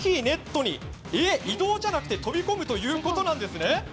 えっ、移動じゃなくて飛び込むということなんですね。